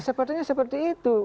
ya sepertinya seperti itu